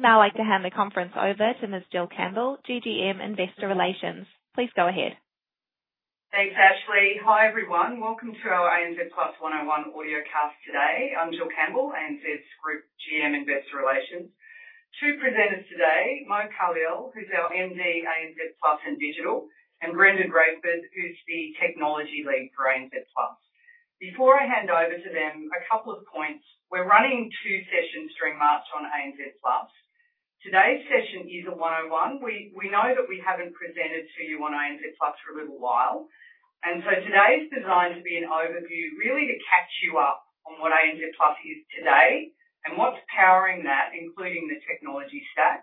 I'd now like to hand the conference over to Ms. Jill Campbell, Group General Manager, Investor Relations. Please go ahead. Thanks, Ashley. Hi everyone. Welcome to our ANZ Plus 101 audiocast today. I'm Jill Campbell, ANZ's Group GM Investor Relations. Two presenters today: Mo Khalil, who's our MD ANZ Plus and Digital, and Brendan Radford, who's the Technology Lead for ANZ Plus. Before I hand over to them, a couple of points. We're running two sessions during March on ANZ Plus. Today's session is a 101. We know that we haven't presented to you on ANZ Plus for a little while, and so today's designed to be an overview, really to catch you up on what ANZ Plus is today and what's powering that, including the technology stack.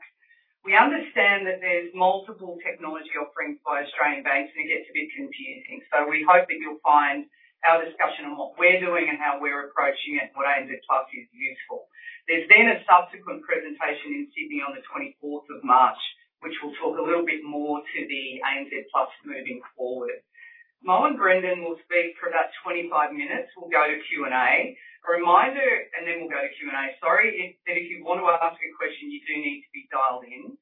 We understand that there's multiple technology offerings by Australian banks, and it gets a bit confusing, so we hope that you'll find our discussion on what we're doing and how we're approaching it and what ANZ Plus is useful. There's been a subsequent presentation in Sydney on the 24th of March, which will talk a little bit more to the ANZ Plus moving forward. Mo and Brendan will speak for about 25 minutes. We'll go to Q&A. A reminder, and then we'll go to Q&A. Sorry, is that if you want to ask a question, you do need to be dialed in.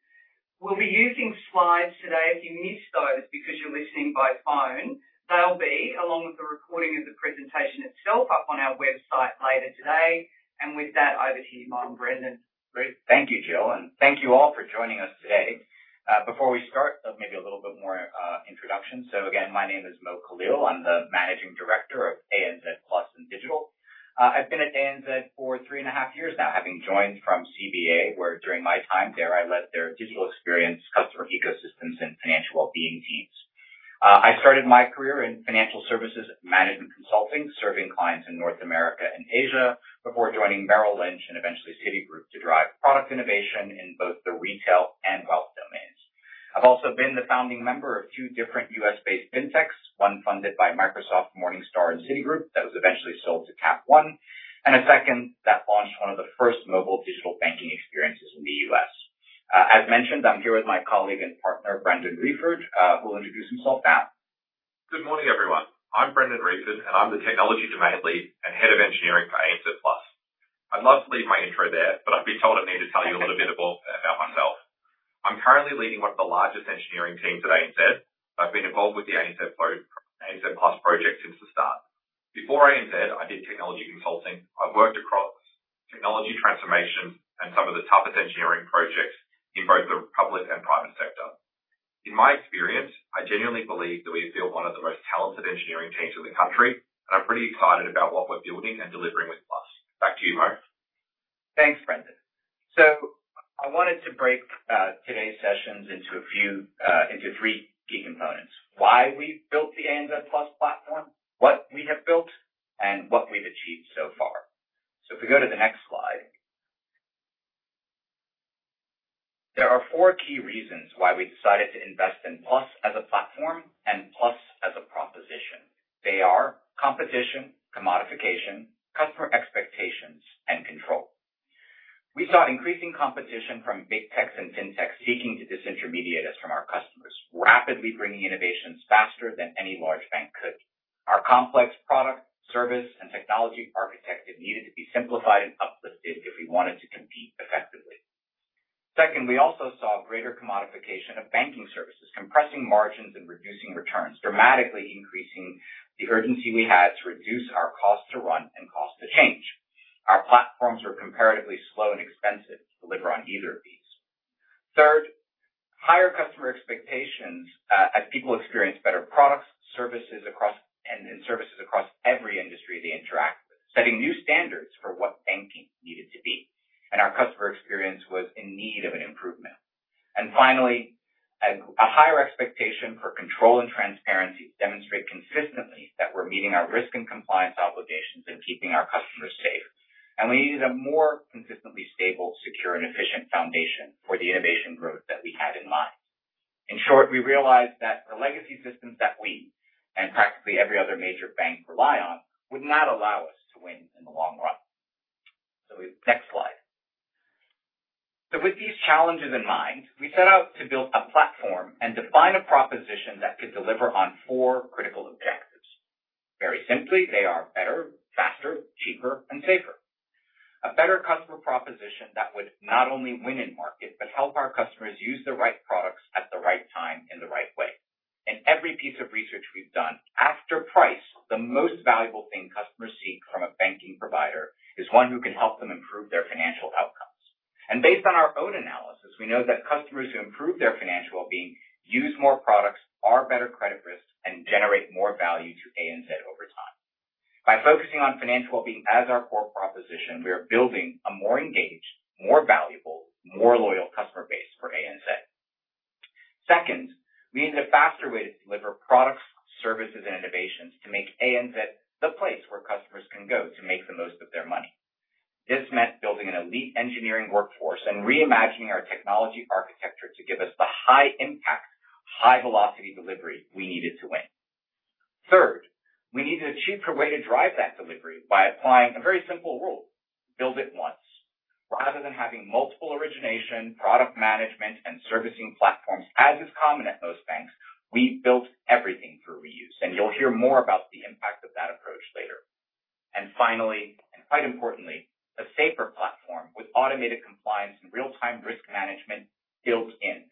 We'll be using slides today. If you missed those because you're listening by phone, they'll be, along with the recording of the presentation itself, up on our website later today. With that, over to you, Mo and Brendan. Great. Thank you, Jill, and thank you all for joining us today. Before we start, maybe a little bit more introduction. So again, my name is Mo Khalil. I'm the Managing Director of ANZ Plus and Digital. I've been at ANZ for three and a half years now, having joined from CBA, where during my time there I led their digital experience, customer ecosystems, and financial well-being teams. I started my career in financial services management consulting, serving clients in North America and Asia, before joining Merrill Lynch and eventually Citigroup to drive product innovation in both the retail and wealth domains. I've also been the founding member of two different U.S.-based fintechs, one funded by Microsoft, Morningstar, and Citigroup that was eventually sold to Capital One, and a second that launched one of the first mobile digital banking experiences in the U.S. As mentioned, I'm here with my colleague and partner, Brendan Radford, who will introduce himself now. Good morning, everyone. I'm Brendan Radford, and I'm the Technology Domain Lead and Head of Engineering for ANZ Plus. I'd love to leave my intro there, but I've been told I need to tell you a little bit about myself. I'm currently leading one of the largest engineering teams at ANZ, and I've been involved with the ANZ Plus project since the start. Before ANZ, I did technology consulting. I've worked across technology transformations and some of the toughest engineering projects in both the public and private sector. In my experience, I genuinely believe that we have built one of the most talented engineering teams in the country, and I'm pretty excited about what we're building and delivering with us. Back to you, Mo. Thanks, Brendan. So I wanted to break today's sessions into three key components: why we built the ANZ Plus platform, what we have built, and what we've achieved so far. So if we go to the next slide, there are four key reasons why we decided to invest in Plus as a platform and Plus as a proposition. They are competition, commodification, customer expectations, and control. We saw increasing competition from big techs and fintechs seeking to disintermediate us from our customers, rapidly bringing innovations faster than any large bank could. Our complex product, service, and technology architecture needed to be simplified and uplifted if we wanted to compete effectively. Second, we also saw greater commodification of banking services, compressing margins and reducing returns, dramatically increasing the urgency we had to reduce our cost to run and cost to change. Our platforms were comparatively slow and expensive to deliver on either of these. Third, higher customer expectations as people experienced better products and services across every industry they interact with, setting new standards for what banking needed to be, and our customer experience was in need of an improvement, and finally, a higher expectation for control and transparency to demonstrate consistently that we're meeting our risk and compliance obligations and keeping our customers safe, and we needed a more consistently stable, secure, and efficient foundation for the innovation growth that we had in mind. In short, we realized that the legacy systems that we and practically every other major bank rely on would not allow us to win in the long run, so next slide, so with these challenges in mind, we set out to build a platform and define a proposition that could deliver on four critical objectives. Very simply, they are better, faster, cheaper, and safer. A better customer proposition that would not only win in market but help our customers use the right products at the right time in the right way. In every piece of research we've done, after price, the most valuable thing customers seek from a banking provider is one who can help them improve their financial outcomes, and based on our own analysis, we know that customers who improve their financial well-being use more products, are better credit risk, and generate more value to ANZ over time. By focusing on financial well-being as our core proposition, we are building a more engaged, more valuable, more loyal customer base for ANZ. Second, we needed a faster way to deliver products, services, and innovations to make ANZ the place where customers can go to make the most of their money. This meant building an elite engineering workforce and reimagining our technology architecture to give us the high-impact, high-velocity delivery we needed to win. Third, we needed a cheaper way to drive that delivery by applying a very simple rule: build it once. Rather than having multiple origination, product management, and servicing platforms, as is common at most banks, we built everything through reuse. And you'll hear more about the impact of that approach later. And finally, and quite importantly, a safer platform with automated compliance and real-time risk management built in,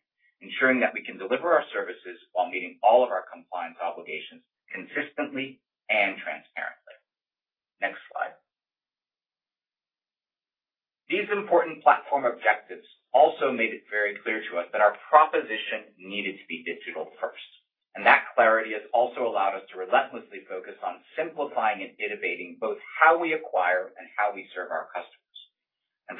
ensuring that we can deliver our services while meeting all of our compliance obligations consistently and transparently. Next slide. These important platform objectives also made it very clear to us that our proposition needed to be digital first. And that clarity has also allowed us to relentlessly focus on simplifying and innovating both how we acquire and how we serve our customers.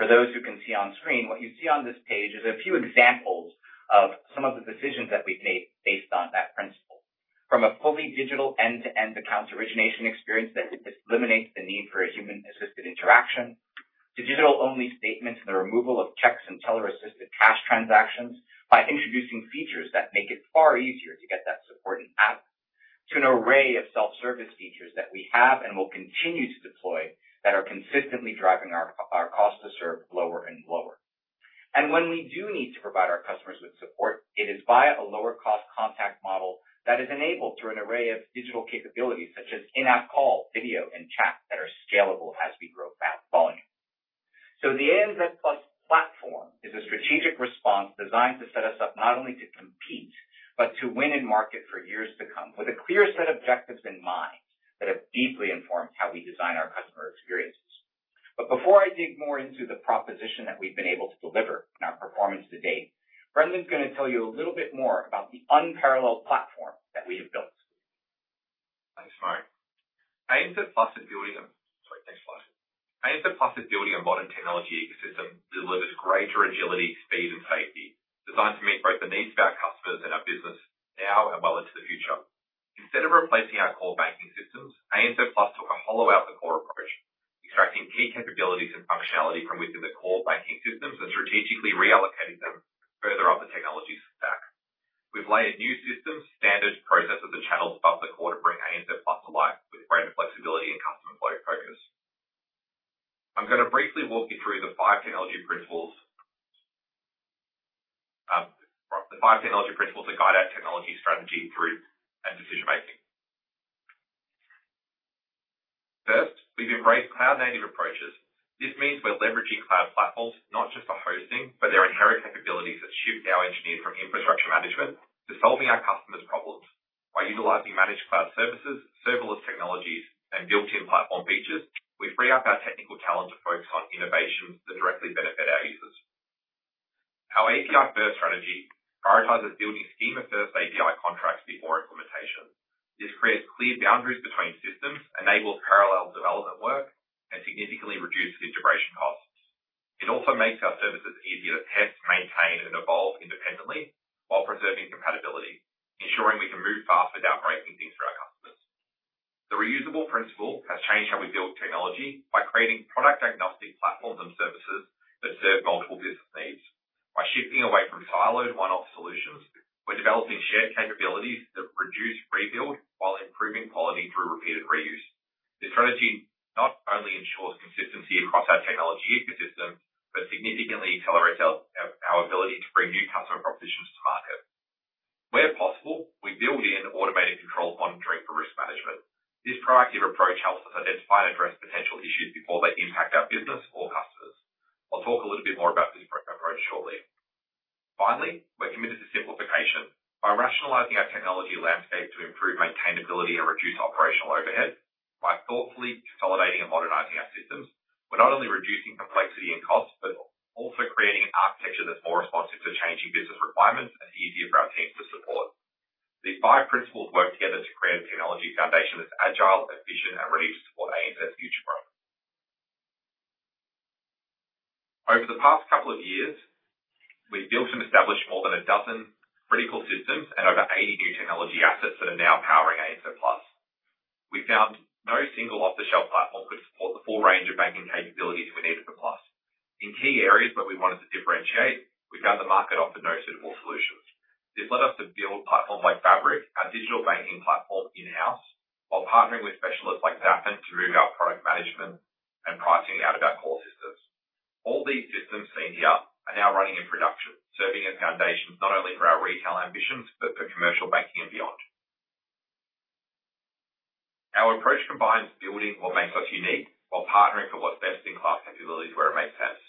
And for those who can see on screen, what you see on this page is a few examples of some of the decisions that we've made based on that principle. From a fully digital end-to-end accounts origination experience that eliminates the need for a human-assisted interaction, to digital-only statements and the removal of cheques and teller-assisted cash transactions by introducing features that make it far easier to get that support in-app, to an array of self-service features that we have and will continue to deploy that are consistently driving our cost to serve lower and lower. When we do need to provide our customers with support, it is via a lower-cost contact model that is enabled through an array of digital capabilities such as in-app call, video, and chat that are scalable as we grow volume. The ANZ Plus platform is a strategic response designed to set us up not only to compete but to win in market for years to come with a clear set of objectives in mind that have deeply informed how we design our customer experiences. Before I dig more into the proposition that we've been able to deliver in our performance to date, Brendan's going to tell you a little bit more about the unparalleled platform that we have built. Thanks, Mo. ANZ Plus’s building of modern technology ecosystem delivers greater agility, speed, and safety, designed to meet both the needs of our customers and our business now as well as to the future. Instead of replacing our core banking systems, ANZ Plus took a hollow-out of the core approach, extracting key capabilities and functionality from within the core banking systems and strategically reallocating them further up the technology stack. We’ve layered new systems, standards, processes, and channels above the core to bring ANZ Plus to life with greater flexibility and customer-flow focus. I’m going to briefly walk you through the five technology principles to guide our technology strategy through and decision-making. First, we’ve embraced cloud-native approaches. This means we’re leveraging cloud platforms, not just for hosting, but their inherent capabilities that shift our engineers from infrastructure management to solving our customers’ problems. By utilizing managed cloud services, serverless technologies, and built-in platform features, we free up our technical talent to focus on innovations that directly benefit our users. Our API-first strategy prioritizes building schema-first API contracts before implementation. This creates clear boundaries between systems, enables parallel development work, and significantly reduces integration costs. It also makes our services easier to test, maintain, and evolve independently while preserving compatibility, ensuring we can move fast without breaking things for our customers. The reusable principle has changed how we build technology by creating product-agnostic platforms and services that serve multiple business needs. By shifting away from siloed one-off solutions, we're developing shared capabilities that reduce rebuild while improving quality through repeated reuse. This strategy not only ensures consistency across our technology ecosystem but significantly accelerates our ability to bring new customer propositions to market. Where possible, we build in automated control monitoring for risk management. This proactive approach helps us identify and address potential issues before they impact our business or customers. I'll talk a little bit more about this approach shortly. Finally, we're committed to simplification. By rationalizing our technology landscape to improve maintainability and reduce operational overhead, by thoughtfully consolidating and modernizing our systems, we're not only reducing complexity and cost but also creating an architecture that's more responsive to changing business requirements and easier for our teams to support. These five principles work together to create a technology foundation that's agile, efficient, and ready to support ANZ's future growth. Over the past couple of years, we've built and established more than a dozen critical systems and over 80 new technology assets that are now powering ANZ Plus. We found no single off-the-shelf platform could support the full range of banking capabilities we needed for Plus. In key areas where we wanted to differentiate, we found the market offered no suitable solutions. This led us to build a platform like Fabric, our digital banking platform in-house, while partnering with specialists like Zafin to move our product management and pricing out of our core systems. All these systems seen here are now running in production, serving as foundations not only for our retail ambitions but for commercial banking and beyond. Our approach combines building what makes us unique while partnering for what's best-in-class capabilities where it makes sense.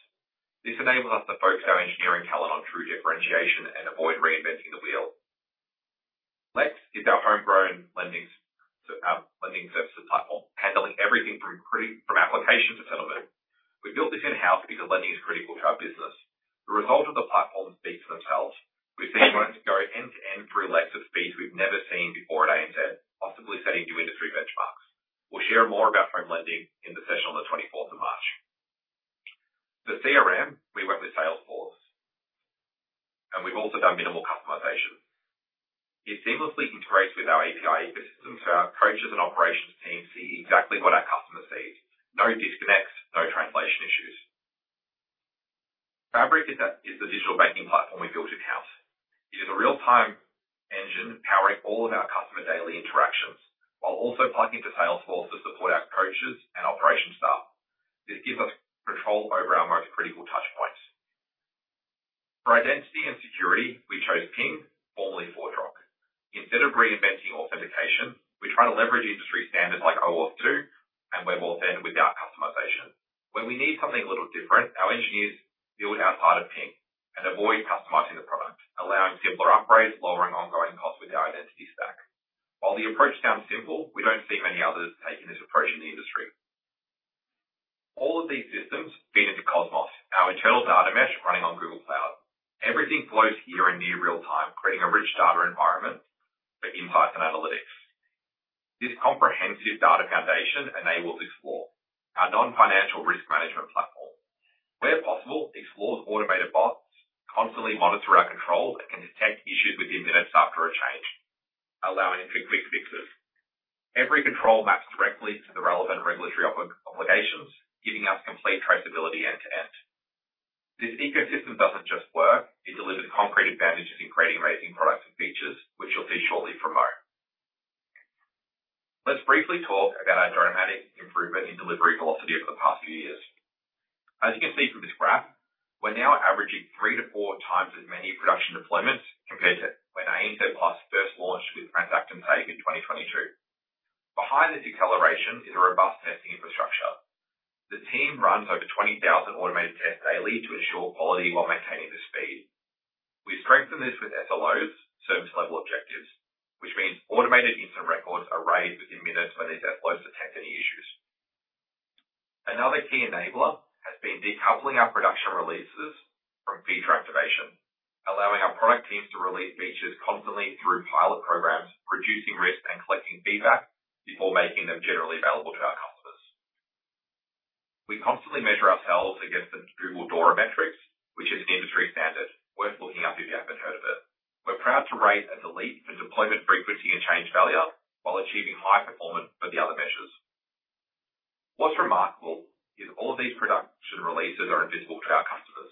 This enables us to focus our engineering talent on true differentiation and avoid reinventing the wheel. Lex is our homegrown lending services platform, handling everything from application to settlement. We built this in-house because lending is critical to our business. The result of the platform speaks for themselves. We've seen loans go end-to-end through Lex at speeds we've never seen before at ANZ, possibly setting new industry benchmarks. We'll share more about home lending in the session on the 24th of March. For CRM, we went with Salesforce, and we've also done minimal customization. It seamlessly integrates with our API ecosystem so our coaches and operations team see exactly what our customers seek. No disconnects, no translation issues. Fabric is the digital banking platform we built in-house. It is a real-time engine powering all of our customer daily interactions while also plugging into Salesforce to support our coaches and operations staff. This gives us control over our most critical touchpoints. For identity and security, we chose Ping, formerly ForgeRock. Instead of reinventing authentication, we try to leverage industry standards like OAuth2 and WebAuthn without customization. When we need something a little different, our engineers build outside of Ping and avoid customizing the product, allowing simpler upgrades, lowering ongoing costs with our identity stack. While the approach sounds simple, we don't see many others taking this approach in the industry. All of these systems feed into Cosmos, our internal data mesh running on Google Cloud. Everything flows here in near real time, creating a rich data environment for insights and analytics. This comprehensive data foundation enables Explore, our non-financial risk management platform. Where possible, Explore's automated bots constantly monitor our controls and can detect issues within minutes after a change, allowing for quick fixes. Every control maps directly to the relevant regulatory obligations, giving us complete traceability end-to-end. This ecosystem doesn't just work. It delivers concrete advantages in creating amazing products and features, which you'll see shortly from Mo. Let's briefly talk about our dramatic improvement in delivery velocity over the past few years. As you can see from this graph, we're now averaging three to four times as many production deployments compared to when ANZ Plus first launched with Transact & Save in 2022. Behind this acceleration is a robust testing infrastructure. The team runs over 20,000 automated tests daily to ensure quality while maintaining the speed. We strengthen this with SLOs, service-level objectives, which means automated incident records are raised within minutes when these SLOs detect any issues. Another key enabler has been decoupling our production releases from feature activation, allowing our product teams to release features constantly through pilot programs, reducing risk and collecting feedback before making them generally available to our customers. We constantly measure ourselves against the DORA metrics, which is an industry standard worth looking up if you haven't heard of it. We're proud to rate as elite for deployment frequency and change failure while achieving high performance for the other measures. What's remarkable is all of these production releases are invisible to our customers.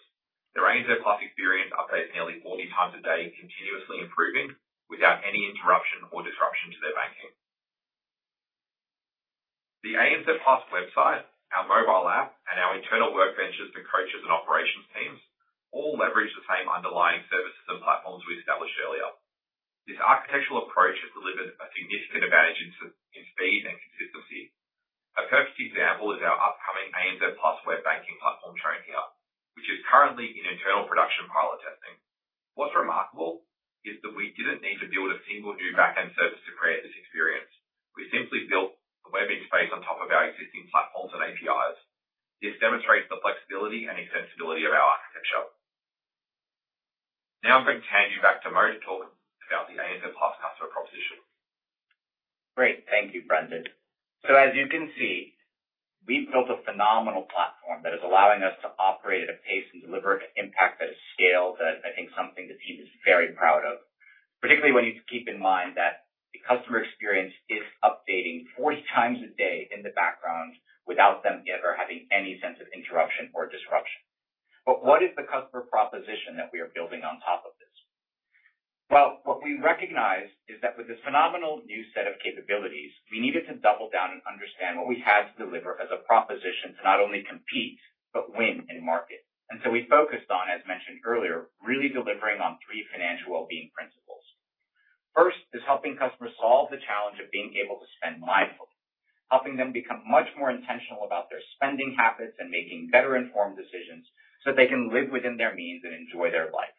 Their ANZ Plus experience updates nearly 40 times a day, continuously improving without any interruption or disruption to their banking. The ANZ Plus website, our mobile app, and our internal workbenches for coaches and operations teams all leverage the same underlying services and platforms we established earlier. This architectural approach has delivered a significant advantage in speed and consistency. A perfect example is our upcoming ANZ Plus web banking platform train here, which is currently in internal production pilot testing. What's remarkable is that we didn't need to build a single new backend service to create this experience. We simply built the web interface on top of our existing platforms and APIs. This demonstrates the flexibility and extensibility of our architecture. Now I'm going to hand you back to Mo to talk about the ANZ Plus customer proposition. Great. Thank you, Brendan. So as you can see, we've built a phenomenal platform that is allowing us to operate at a pace and deliver an impact that is scaled that I think is something the team is very proud of, particularly when you keep in mind that the customer experience is updating 40 times a day in the background without them ever having any sense of interruption or disruption. But what is the customer proposition that we are building on top of this? Well, what we recognize is that with this phenomenal new set of capabilities, we needed to double down and understand what we had to deliver as a proposition to not only compete but win in market. And so we focused on, as mentioned earlier, really delivering on three financial well-being principles. First is helping customers solve the challenge of being able to spend mindfully, helping them become much more intentional about their spending habits and making better-informed decisions so that they can live within their means and enjoy their life.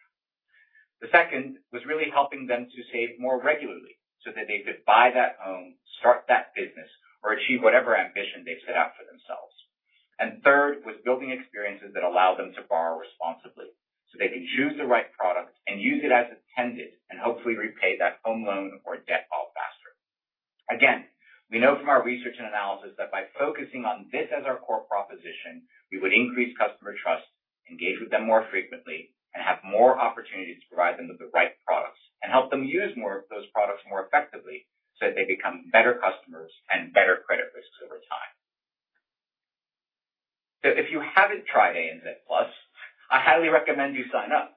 The second was really helping them to save more regularly so that they could buy that home, start that business, or achieve whatever ambition they've set out for themselves. And third was building experiences that allow them to borrow responsibly so they can choose the right product and use it as intended and hopefully repay that home loan or debt all faster. Again, we know from our research and analysis that by focusing on this as our core proposition, we would increase customer trust, engage with them more frequently, and have more opportunities to provide them with the right products and help them use those products more effectively so that they become better customers and better credit risks over time. So if you haven't tried ANZ Plus, I highly recommend you sign up.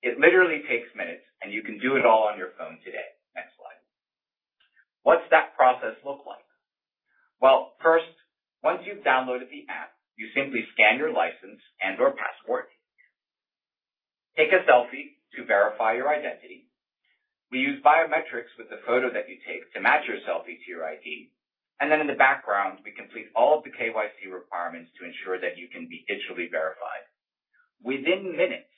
It literally takes minutes, and you can do it all on your phone today. Next slide. What's that process look like? Well, first, once you've downloaded the app, you simply scan your licence and/or passport, take a selfie to verify your identity. We use biometrics with the photo that you take to match your selfie to your ID. And then in the background, we complete all of the KYC requirements to ensure that you can be digitally verified. Within minutes,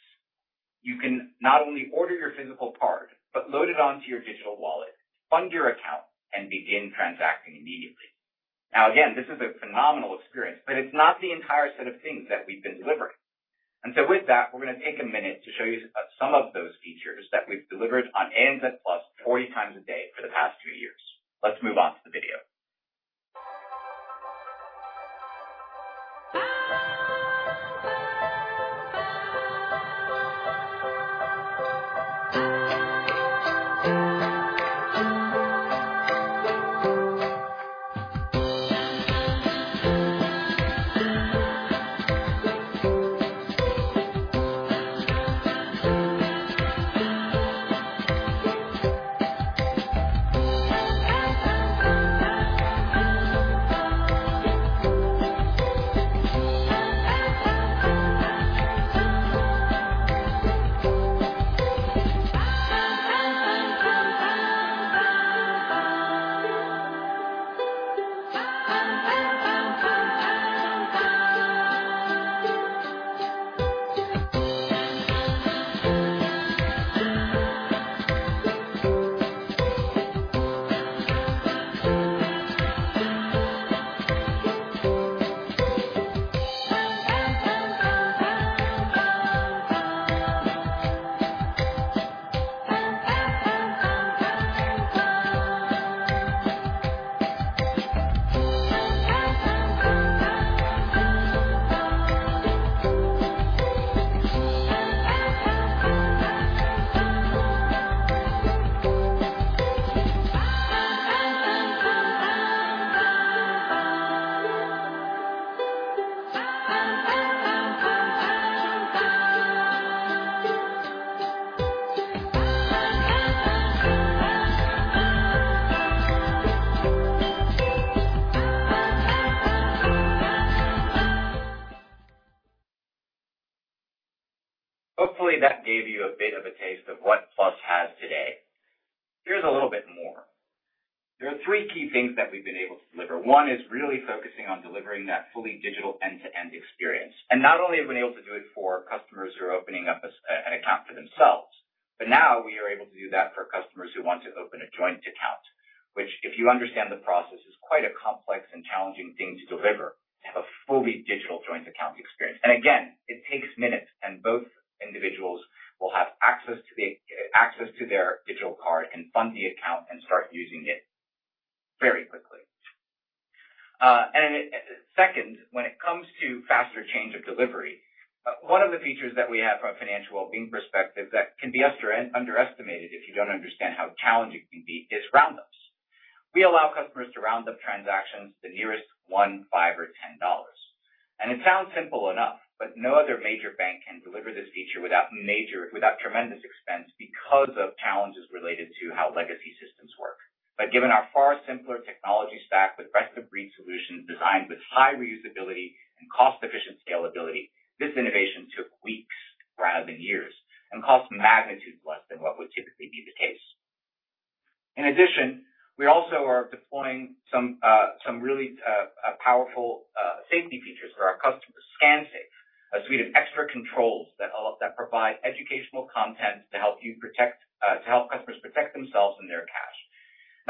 you can not only order your physical card but load it onto your digital wallet, fund your account, and begin transacting immediately. Now, again, this is a phenomenal experience, but it's not the entire set of things that we've been delivering, and so with that, we're going to take a minute to show you some of those features that we've delivered on ANZ Plus 40 times a day for the past two years. Let's move on to the video. Hopefully, that gave you a bit of a taste of what Plus has today. Here's a little bit more. There are three key things that we've been able to deliver. One is really focusing on delivering that fully digital end-to-end experience. Not only have we been able to do it for customers who are opening up an account for themselves, but now we are able to do that for customers who want to open a joint account, which, if you understand the process, is quite a complex and challenging thing to deliver to have a fully digital joint account experience. And again, it takes minutes, and both individuals will have access to their digital card and fund the account and start using it very quickly. And second, when it comes to faster change of delivery, one of the features that we have from a financial well-being perspective that can be underestimated if you don't understand how challenging it can be is Round Ups. We allow customers to round up transactions to the nearest one, five, or 10 dollars. And it sounds simple enough, but no other major bank can deliver this feature without tremendous expense because of challenges related to how legacy systems work. But given our far simpler technology stack with best-of-breed solutions designed with high reusability and cost-efficient scalability, this innovation took weeks rather than years and costs magnitude less than what would typically be the case. In addition, we also are deploying some really powerful safety features for our customers, ScanSafe, a suite of extra controls that provide educational content to help customers protect themselves and their cash.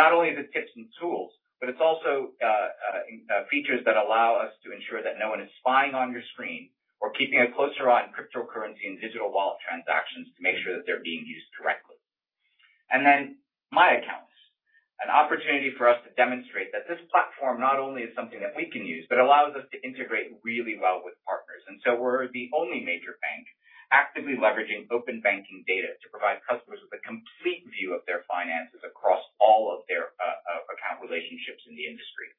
Not only are the tips and tools, but it's also features that allow us to ensure that no one is spying on your screen or keeping a closer eye on cryptocurrency and digital wallet transactions to make sure that they're being used correctly. And then My Accounts, an opportunity for us to demonstrate that this platform not only is something that we can use, but allows us to integrate really well with partners. And so we're the only major bank actively leveraging open banking data to provide customers with a complete view of their finances across all of their account relationships in the industry.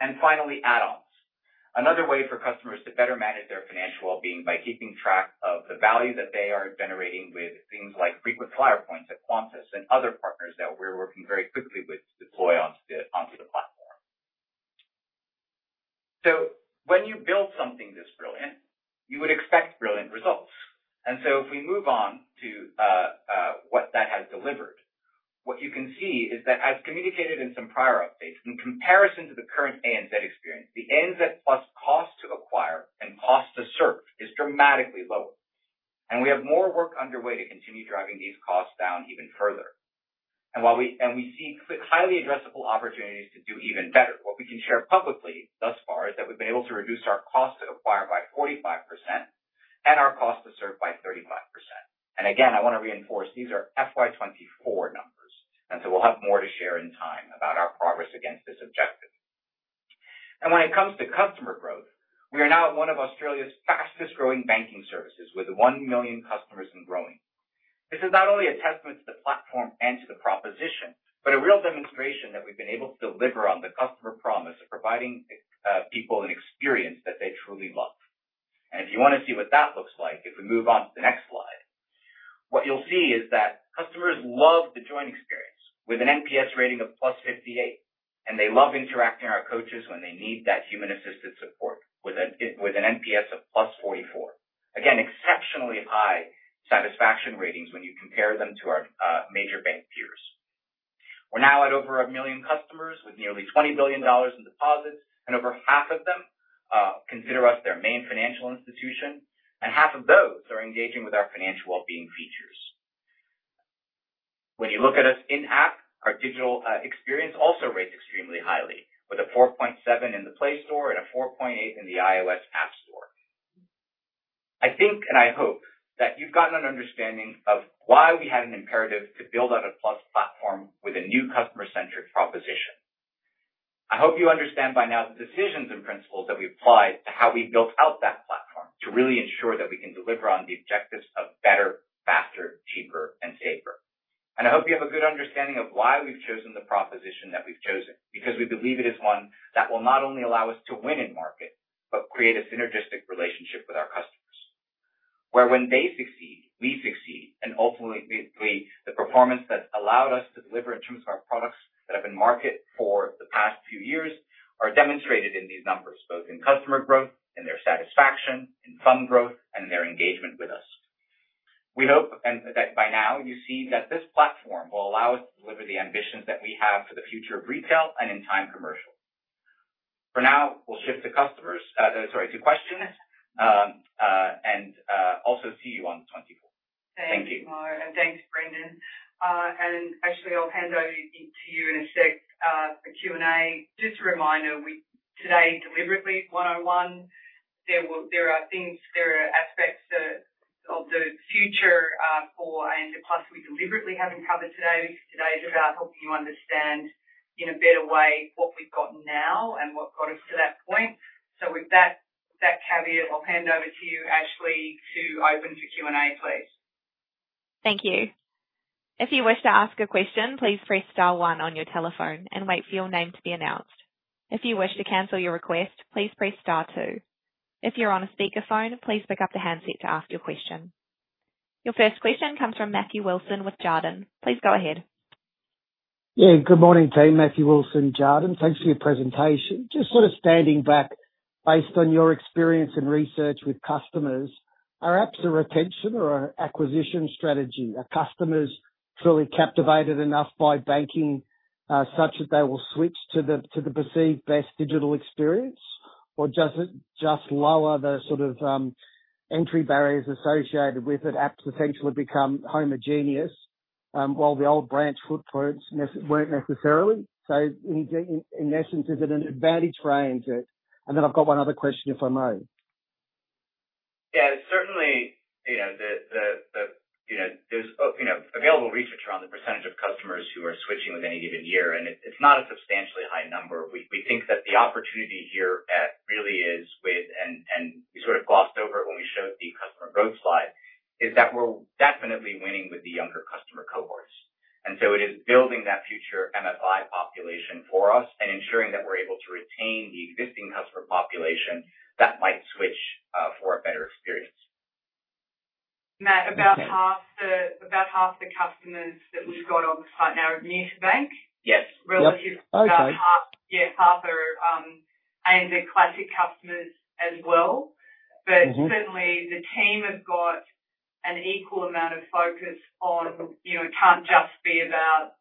And finally, Add-ons, another way for customers to better manage their financial well-being by keeping track of the value that they are generating with things like frequent flyer points at Qantas and other partners that we're working very quickly with to deploy onto the platform. So when you build something this brilliant, you would expect brilliant results. And so if we move on to what that has delivered, what you can see is that, as communicated in some prior updates, in comparison to the current ANZ experience, the ANZ Plus cost to acquire and cost to serve is dramatically lower. And we have more work underway to continue driving these costs down even further. And we see highly addressable opportunities to do even better. What we can share publicly thus far is that we've been able to reduce our cost to acquire by 45% and our cost to serve by 35%. And again, I want to reinforce these are FY24 numbers. And so we'll have more to share in time about our progress against this objective. And when it comes to customer growth, we are now one of Australia's fastest-growing banking services with 1 million customers and growing. This is not only a testament to the platform and to the proposition, but a real demonstration that we've been able to deliver on the customer promise of providing people an experience that they truly love, and if you want to see what that looks like, if we move on to the next slide, what you'll see is that customers love the joint experience with an NPS rating of +58, and they love interacting with our coaches when they need that human-assisted support with an NPS of +44, again, exceptionally high satisfaction ratings when you compare them to our major bank peers. We're now at over a million customers with nearly 20 billion dollars in deposits, and over half of them consider us their main financial institution, and half of those are engaging with our financial well-being features. When you look at us in-app, our digital experience also rates extremely highly, with a 4.7 in the Play Store and a 4.8 in the iOS App Store. I think, and I hope that you've gotten an understanding of why we had an imperative to build out a Plus platform with a new customer-centric proposition. I hope you understand by now the decisions and principles that we applied to how we built out that platform to really ensure that we can deliver on the objectives of better, faster, cheaper, and safer, and I hope you have a good understanding of why we've chosen the proposition that we've chosen, because we believe it is one that will not only allow us to win in market, but create a synergistic relationship with our customers, where when they succeed, we succeed. And ultimately, the performance that's allowed us to deliver in terms of our products that have been marketed for the past few years are demonstrated in these numbers, both in customer growth, in their satisfaction, in fund growth, and in their engagement with us. We hope that by now you see that this platform will allow us to deliver the ambitions that we have for the future of retail and in-time commercial. For now, we'll shift to customers, sorry, to questions, and also see you on the 24th. Thank you. Thanks, Mo, and thanks, Brendan. And actually, I'll hand over to you in a sec for Q&A. Just a reminder, today, deliberately, one-on-one, there are things, there are aspects of the future for ANZ Plus we deliberately haven't covered today. Today is about helping you understand in a better way what we've got now and what got us to that point. So with that caveat, I'll hand over to you, Ashley, to open for Q&A, please. Thank you. If you wish to ask a question, please press star one on your telephone and wait for your name to be announced. If you wish to cancel your request, please press star two. If you're on a speakerphone, please pick up the handset to ask your question. Your first question comes from Matthew Wilson with Jarden. Please go ahead. Yeah, good morning, team. Matthew Wilson with Jarden. Thanks for your presentation. Just sort of standing back, based on your experience and research with customers, are apps a retention or an acquisition strategy? Are customers fully captivated enough by banking such that they will switch to the perceived best digital experience, or does it just lower the sort of entry barriers associated with it? Apps essentially become homogeneous while the old branch footprints weren't necessarily. So in essence, is it an advantage for ANZ? And then I've got one other question, if I Mo. Yeah, certainly, there's available research around the percentage of customers who are switching within a given year, and it's not a substantially high number. We think that the opportunity here really is with, and we sort of glossed over it when we showed the customer growth slide, is that we're definitely winning with the younger customer cohorts. And so it is building that future MFI population for us and ensuring that we're able to retain the existing customer population that might switch for a better experience. Matt, about half the customers that we've got on the site now are new to bank? Yes. Relatively? Yes. Yeah, half are ANZ classic customers as well. But certainly, the team have got an equal amount of focus on it. It can't just be about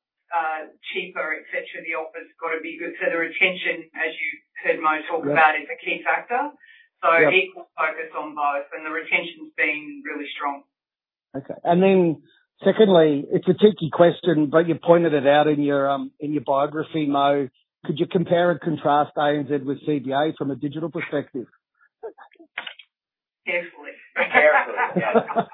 cheaper, etc. The offer's got to be good. So the retention, as you heard Mo talk about, is a key factor. So equal focus on both, and the retention's been really strong. Okay. And then secondly, it's a tricky question, but you pointed it out in your biography, Mo. Could you compare and contrast ANZ with CBA from a digital perspective? Carefully. Carefully, yeah.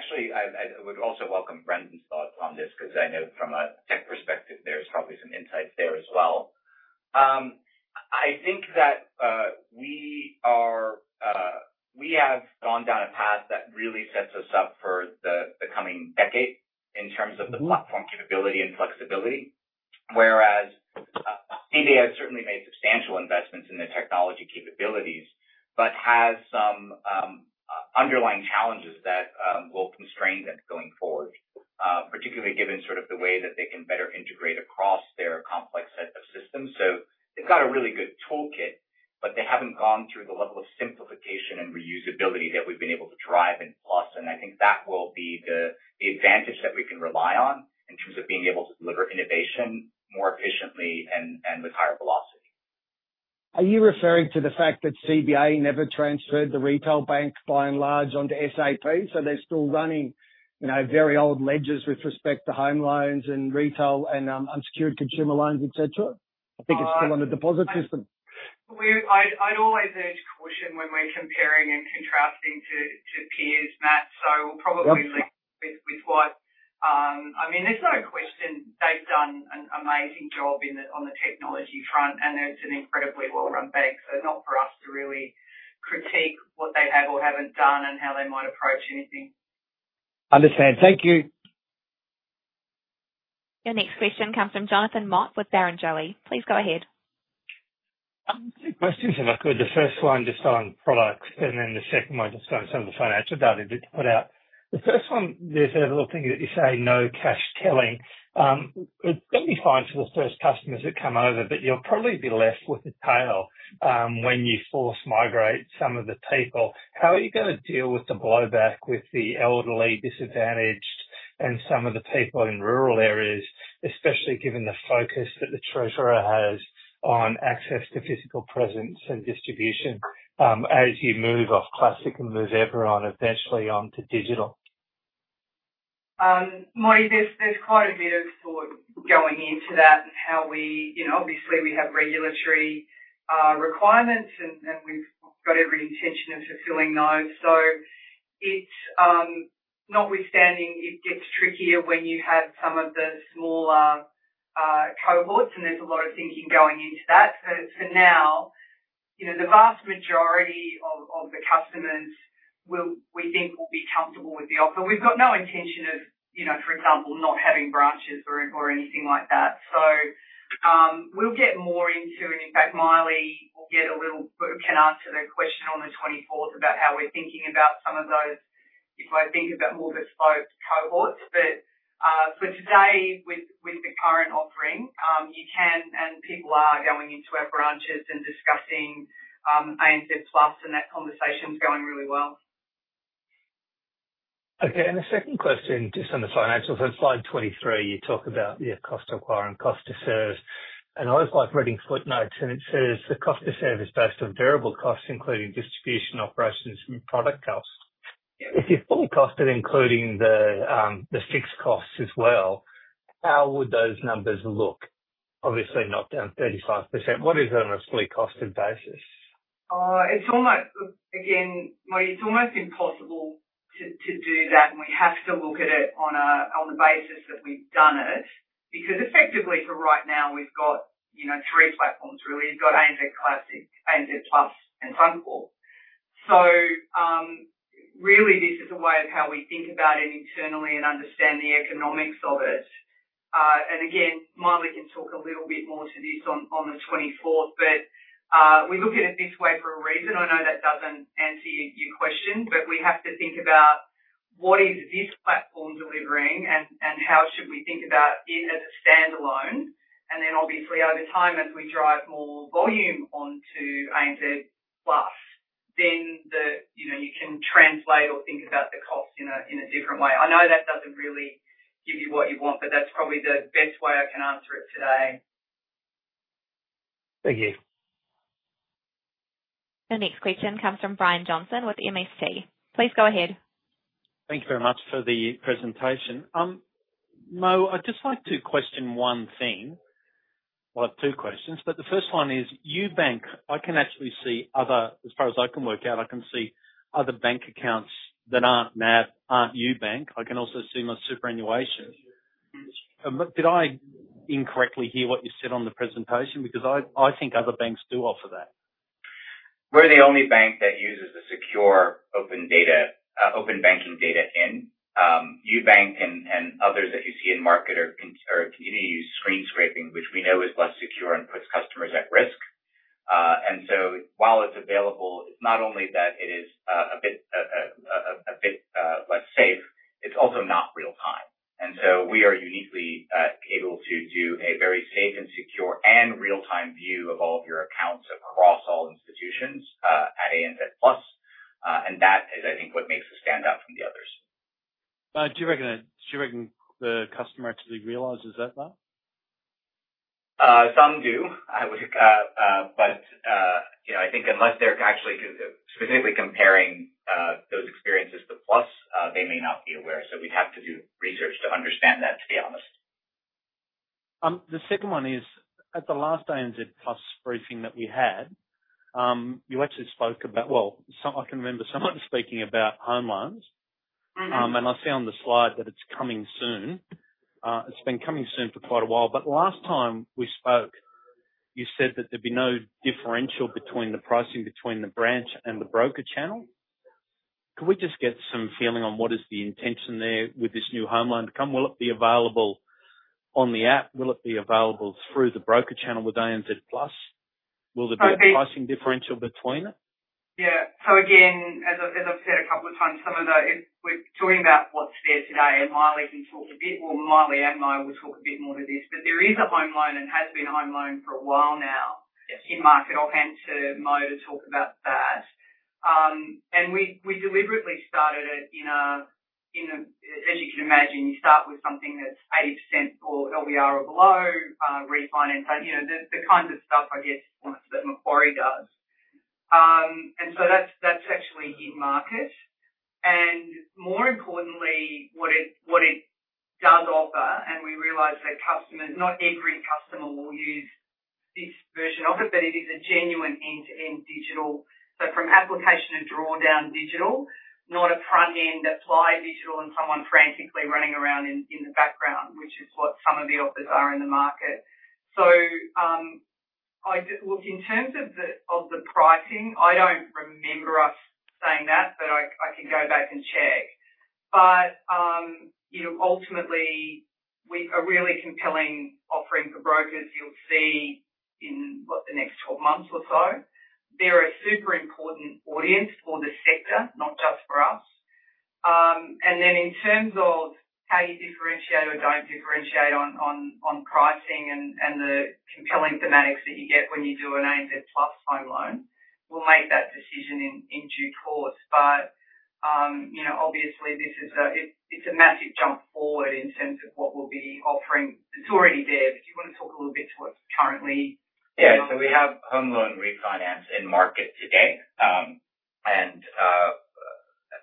Actually, I would also welcome Brendan's thoughts on this because I know from a tech perspective, there's probably some insights there as well. I think that we have gone down a path that really sets us up for the coming decade in terms of the platform capability and flexibility, whereas CBA has certainly made substantial investments in the technology capabilities but has some underlying challenges that will constrain them going forward, particularly given sort of the way that they can better integrate across their complex set of systems. So they've got a really good toolkit, but they haven't gone through the level of simplification and reusability that we've been able to drive in Plus. I think that will be the advantage that we can rely on in terms of being able to deliver innovation more efficiently and with higher velocity. Are you referring to the fact that CBA never transferred the retail bank by and large onto SAP? So they're still running very old ledgers with respect to home loans and retail and unsecured consumer loans, etc.? I think it's still on the deposit system. I'd always urge caution when we're comparing and contrasting to peers, Matt, so we'll probably link with what I mean, there's no question they've done an amazing job on the technology front, and it's an incredibly well-run bank, so not for us to really critique what they have or haven't done and how they might approach anything. Understand. Thank you. Your next question comes from Jonathan Mott with Barrenjoey. Please go ahead. Two questions, if I could. The first one just on products, and then the second one just on some of the financial data that you put out. The first one, there's a little thing that you say, no cash telling. It's going to be fine for the first customers that come over, but you'll probably be left with a tail when you force migrate some of the people. How are you going to deal with the blowback with the elderly disadvantaged and some of the people in rural areas, especially given the focus that the treasurer has on access to physical presence and distribution as you move off classic and move everyone eventually on to digital? Mo, there's quite a bit of thought going into that and how we obviously we have regulatory requirements, and we've got every intention of fulfilling those. So, not with standing, it gets trickier when you have some of the smaller cohorts, and there's a lot of thinking going into that. For now, the vast majority of the customers we think will be comfortable with the offer. We've got no intention of, for example, not having branches or anything like that. So we'll get more into it. And in fact, Maile will be able to answer the question on the 24th about how we're thinking about some of those if I think about more bespoke cohorts. But for today, with the current offering, you know, and people are going into our branches and discussing ANZ Plus, and that conversation's going really well. Okay. And the second question, just on the financial side, slide 23, you talk about the cost to acquire and cost to serve. And I always like reading footnotes, and it says, "The cost to serve is based on variable costs, including distribution operations and product costs." If you're fully costed, including the fixed costs as well, how would those numbers look? Obviously, knockdown 35%. What is it on a fully costed basis? Again, Mo, it's almost impossible to do that, and we have to look at it on the basis that we've done it because effectively, for right now, we've got three platforms, really. You've got ANZ Classic, ANZ Plus, and Suncorp. So really, this is a way of how we think about it internally and understand the economics of it. And again, Maile can talk a little bit more to this on the 24th, but we look at it this way for a reason. I know that doesn't answer your question, but we have to think about what is this platform delivering and how should we think about it as a standalone. And then obviously, over time, as we drive more volume onto ANZ Plus, then you can translate or think about the cost in a different way. I know that doesn't really give you what you want, but that's probably the best way I can answer it today. Thank you. The next question comes from Brian Johnson with MST. Please go ahead. Thank you very much for the presentation. Mo, I'd just like to question one thing. I have two questions, but the first one is, UBank, I can actually see others as far as I can work out, I can see other bank accounts that aren't UBank. I can also see my superannuation. Did I incorrectly hear what you said on the presentation? Because I think other banks do offer that. We're the only bank that uses the secure open banking data. In UBank and others that you see in market continue to use screen scraping, which we know is less secure and puts customers at risk, and so while it's available, it's not only that it is a bit less safe, it's also not real-time, and so we are uniquely able to do a very safe and secure and real-time view of all of your accounts across all institutions at ANZ Plus. And that is, I think, what makes us stand out from the others. Do you reckon the customer actually realizes that though? Some do, but I think unless they're actually specifically comparing those experiences to Plus, they may not be aware. So we'd have to do research to understand that, to be honest. The second one is, at the last ANZ Plus briefing that we had, you actually spoke about well, I can remember someone speaking about home loans. And I see on the slide that it's coming soon. It's been coming soon for quite a while. But last time we spoke, you said that there'd be no differential between the pricing between the branch and the broker channel. Could we just get some feeling on what is the intention there with this new home loan to come? Will it be available on the app? Will it be available through the broker channel with ANZ Plus? Will there be a pricing differential between it? Yeah. So again, as I've said a couple of times, some of what we're talking about what's there today, and Maile can talk a bit, well, Maile and Mo will talk a bit more to this. But there is a home loan and has been a home loan for a while now in market. I'll hand it to Mo to talk about that. And we deliberately started it in a, as you can imagine, you start with something that's 80% or LVR or below refinance, the kinds of stuff, I guess, that Macquarie does. And so that's actually in market. And more importantly, what it does offer, and we realize that customers not every customer will use this version of it, but it is a genuine end-to-end digital. So, from application and drawdown digital, not a front-end applied digital and someone frantically running around in the background, which is what some of the offers are in the market. So look, in terms of the pricing, I don't remember us saying that, but I can go back and check. But ultimately, a really compelling offering for brokers you'll see in, what, the next 12 months or so. They're a super important audience for the sector, not just for us. And then in terms of how you differentiate or don't differentiate on pricing and the compelling thematics that you get when you do an ANZ Plus home loan, we'll make that decision in due course. But obviously, it's a massive jump forward in terms of what we'll be offering. It's already there, but do you want to talk a little bit to what's currently? Yeah. So we have home loan refinance in market today. And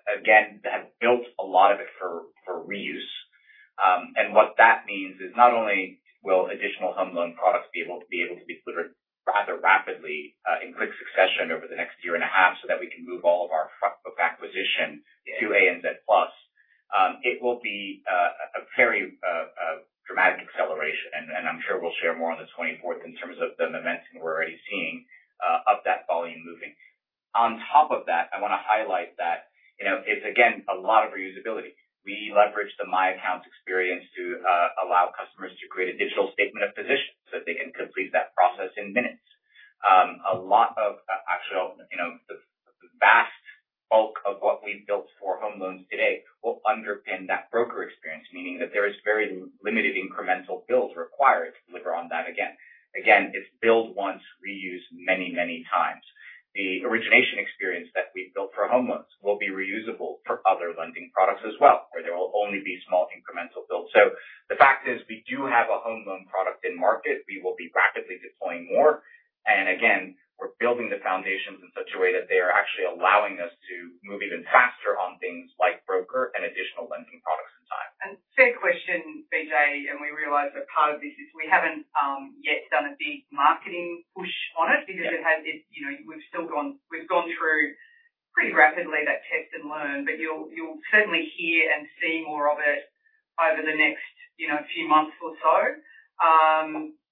again, they have built a lot of it for reuse. And what that means is not only will additional home loan products be able to be delivered rather rapidly in quick succession over the next year and a half so that we can move all of our front-book acquisition to ANZ Plus, it will be a very dramatic acceleration. And I'm sure we'll share more on the 24th in terms of the momentum we're already seeing of that volume moving. On top of that, I want to highlight that it's, again, a lot of reusability. We leverage the My Accounts experience to allow customers to create a digital statement of position so that they can complete that process in minutes. A lot of actually, the vast bulk of what we've built for home loans today will underpin that broker experience, meaning that there is very limited incremental build required to deliver on that again. Again, it's build once, reuse many, many times. The origination experience that we've built for home loans will be reusable for other lending products as well, where there will only be small incremental builds. So the fact is, we do have a home loan product in market. We will be rapidly deploying more. And again, we're building the foundations in such a way that they are actually allowing us to move even faster on things like broker and additional lending products in time. And fair question, BJ, and we realize that part of this is we haven't yet done a big marketing push on it because we've still gone through pretty rapidly that test and learn, but you'll certainly hear and see more of it over the next few months or so.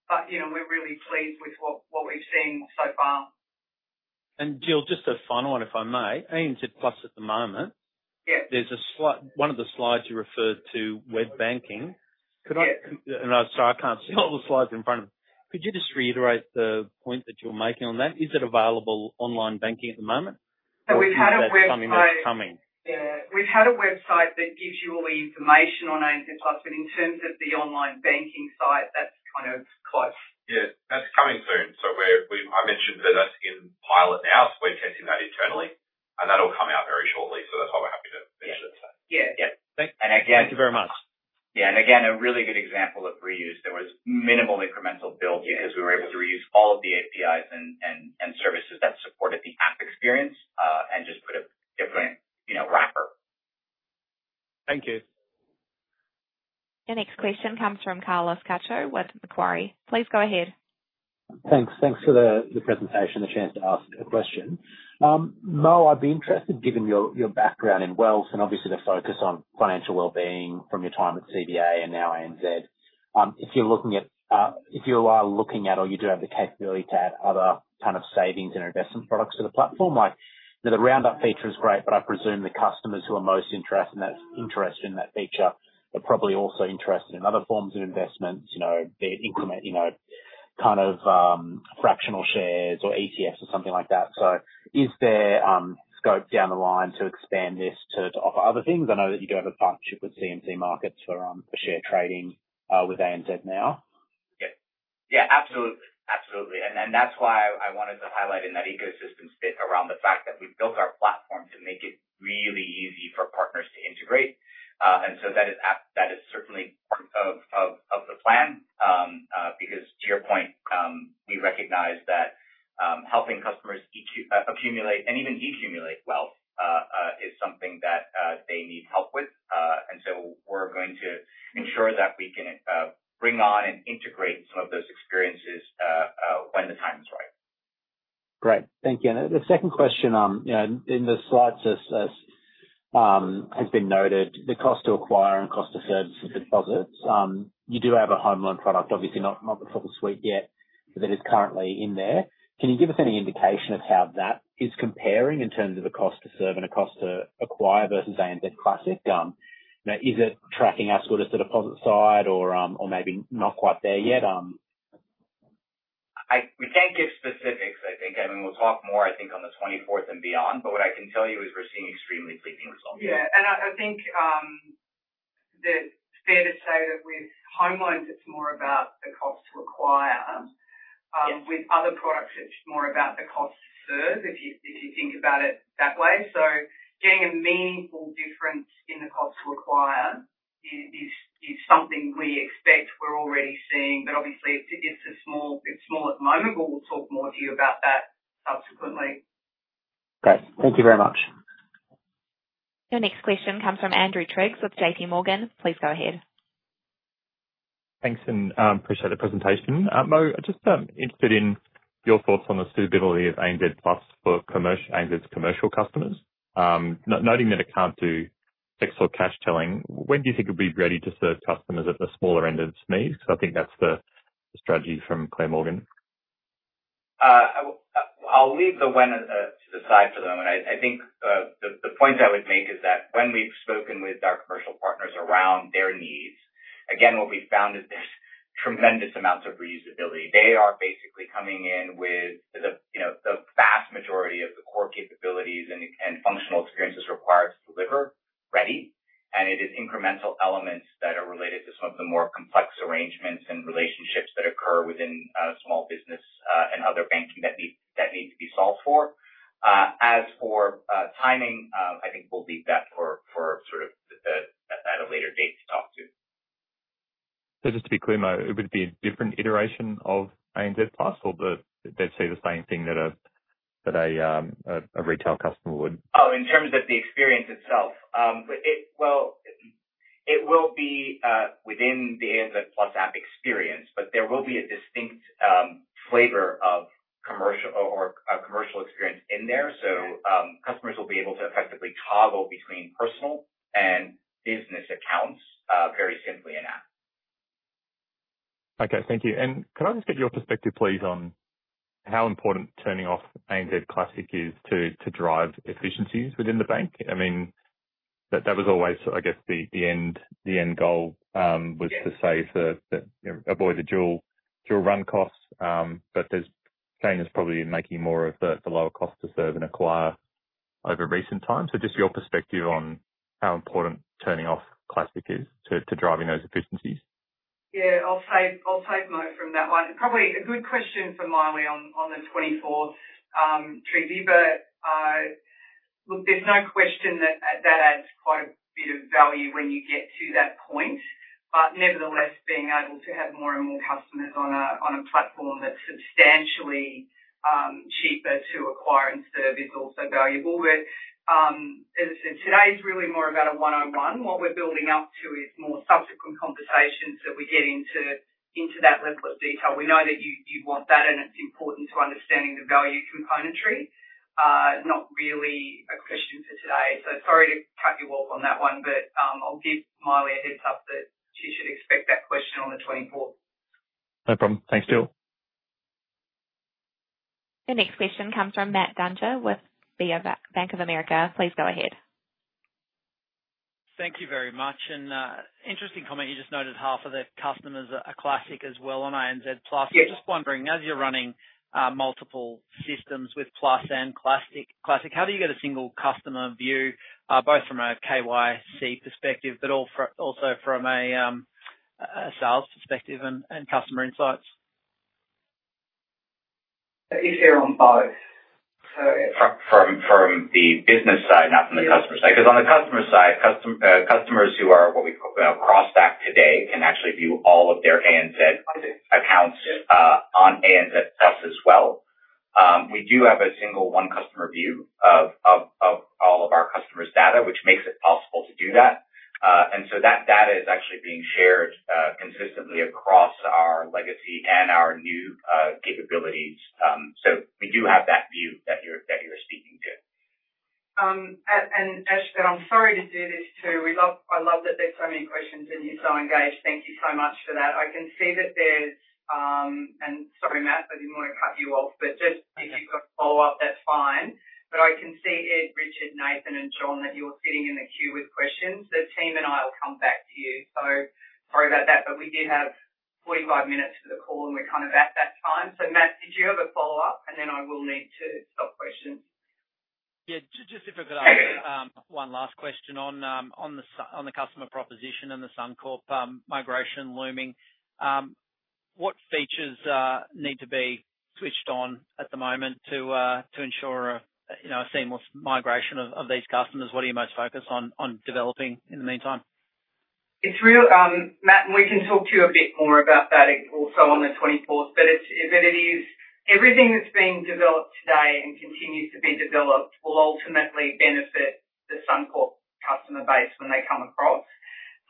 But we're really pleased with what we've seen so far. Jill, just a final one if I may. ANZ Plus at the moment, there's one of the slides you referred to, web banking. I'm sorry, I can't see all the slides in front of me. Could you just reiterate the point that you're making on that? Is it available online banking at the moment? We've had a website. or is it something that's coming? Yeah. We've had a website that gives you all the information on ANZ Plus, but in terms of the online banking site, that's kind of close. Yeah. That's coming soon. So I mentioned that that's in pilot now, so we're testing that internally. And that'll come out very shortly, so that's why we're happy to mention it today. Yeah. Yeah. Thank you very much. Yeah. And again, a really good example of reuse. There was minimal incremental build because we were able to reuse all of the APIs and services that supported the app experience and just put a different wrapper. Thank you. Your next question comes from Carlos Castro with Macquarie. Please go ahead. Thanks. Thanks for the presentation and the chance to ask a question. Mo, I'd be interested, given your background in wealth and obviously the focus on financial well-being from your time at CBA and now ANZ, if you are looking at or you do have the capability to add other kind of savings and investment products to the platform. The roundup feature is great, but I presume the customers who are most interested in that feature are probably also interested in other forms of investments, be it kind of fractional shares or ETFs or something like that. So is there scope down the line to expand this to offer other things? I know that you do have a partnership with CMC Markets for share trading with ANZ now. Yeah. Yeah. Absolutely. Absolutely. And that's why I wanted to highlight in that ecosystem split around the fact that we've built our platform to make it really easy for partners to integrate. And so that is certainly part of the plan because, to your point, we recognize that helping customers accumulate and even decumulate wealth is something that they need help with. And so we're going to ensure that we can bring on and integrate some of those experiences when the time is right. Great. Thank you. And the second question in the slots has been noted, the cost to acquire and cost to serve deposits. You do have a home loan product, obviously not the full suite yet, but it is currently in there. Can you give us any indication of how that is comparing in terms of the cost to serve and the cost to acquire versus ANZ Classic? Is it tracking as good as the deposit side, or maybe not quite there yet? We can't give specifics, I think. I mean, we'll talk more, I think, on the 24th and beyond, but what I can tell you is we're seeing extremely pleasing results. Yeah. And I think it's fair to say that with home loans, it's more about the cost to acquire. With other products, it's more about the cost to serve if you think about it that way. So getting a meaningful difference in the cost to acquire is something we expect. We're already seeing, but obviously, it's small at the moment, but we'll talk more to you about that subsequently. Great. Thank you very much. Your next question comes from Andrew Triggs with J.P. Morgan. Please go ahead. Thanks. And appreciate the presentation. Mo, I'm just interested in your thoughts on the suitability of ANZ Plus for ANZ's commercial customers. Noting that it can't do text or cash telling, when do you think it would be ready to serve customers at the smaller end of SMEs? Because I think that's the strategy from Clare Morgan. I'll leave the when to the side for the moment. I think the point I would make is that when we've spoken with our commercial partners around their needs, again, what we've found is there's tremendous amounts of reusability. They are basically coming in with the vast majority of the core capabilities and functional experiences required to deliver ready, and it is incremental elements that are related to some of the more complex arrangements and relationships that occur within small business and other banking that need to be solved for. As for timing, I think we'll leave that for sort of at a later date to talk to. So just to be clear, Mo, would it be a different iteration of ANZ Plus or they'd say the same thing that a retail customer would? Oh, in terms of the experience itself? Well, it will be within the ANZ Plus app experience, but there will be a distinct flavor of commercial experience in there. So customers will be able to effectively toggle between personal and business accounts very simply in app. Okay. Thank you. And could I just get your perspective, please, on how important turning off ANZ Classic is to drive efficiencies within the bank? I mean, that was always, I guess, the end goal was to say to avoid the dual run costs, but there's changes probably in making more of the lower cost to serve and acquire over recent times. So just your perspective on how important turning off Classic is to driving those efficiencies? Yeah. I'll save Mo from that one. Probably a good question for Maile on the 24th, Trevi, but look, there's no question that that adds quite a bit of value when you get to that point. But nevertheless, being able to have more and more customers on a platform that's substantially cheaper to acquire and serve is also valuable. But as I said, today's really more about a one-on-one. What we're building up to is more subsequent conversations that we get into that level of detail. We know that you want that, and it's important to understanding the value componentry. Not really a question for today. So sorry to cut you off on that one, but I'll give Maile a heads up that she should expect that question on the 24th. No problem. Thanks, Jill. Your next question comes from Matt Dunger with Bank of America. Please go ahead. Thank you very much. And interesting comment. You just noted half of the customers are Classic as well on ANZ Plus. Just wondering, as you're running multiple systems with Plus and Classic, how do you get a single customer view, both from a KYC perspective, but also from a sales perspective and customer insights? If they're on both. From the business side, not from the customer side. Because on the customer side, customers who are what we call cross-stack today can actually view all of their ANZ accounts on ANZ Plus as well. We do have a single one-customer view of all of our customers' data, which makes it possible to do that. And so that data is actually being shared consistently across our legacy and our new capabilities. So we do have that view that you're speaking to. Anshul, I'm sorry to do this too. I love that there's so many questions, and you're so engaged. Thank you so much for that. I can see that there's, and sorry, Matt, I didn't want to cut you off, but just if you've got a follow-up, that's fine, but I can see Ed, Richard, Nathan, and John that you're sitting in the queue with questions. The team and I will come back to you, so sorry about that, but we did have 45 minutes for the call, and we're kind of at that time, so Matt, did you have a follow-up, and then I will need to stop questions? Yeah. Just if I could ask one last question on the customer proposition and the Suncorp migration looming, what features need to be switched on at the moment to ensure a seamless migration of these customers? What are you most focused on developing in the meantime? It's real, Matt, and we can talk to you a bit more about that also on the 24th, but it is everything that's being developed today and continues to be developed will ultimately benefit the Suncorp customer base when they come across.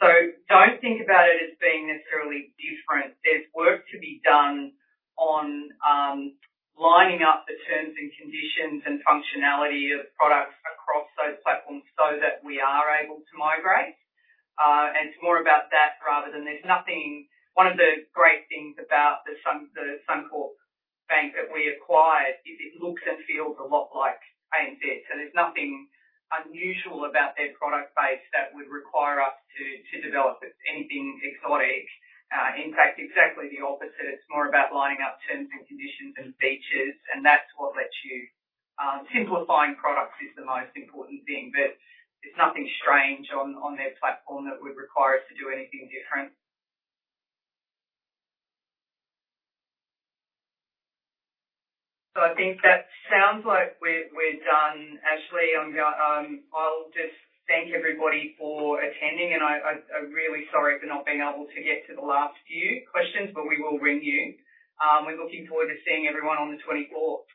So don't think about it as being necessarily different. There's work to be done on lining up the terms and conditions and functionality of products across those platforms so that we are able to migrate. It's more about that rather than. There's nothing one of the great things about the Suncorp Bank that we acquired is it looks and feels a lot like ANZ's. There's nothing unusual about their product base that would require us to develop anything exotic. In fact, exactly the opposite. It's more about lining up terms and conditions and features, and that's what lets you simplifying products is the most important thing. But there's nothing strange on their platform that would require us to do anything different. So I think that sounds like we're done. Actually, I'll just thank everybody for attending, and I'm really sorry for not being able to get to the last few questions, but we will ring you. We're looking forward to seeing everyone on the 24th.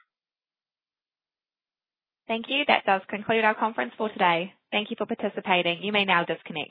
Thank you. That does conclude our conference for today. Thank you for participating. You may now disconnect.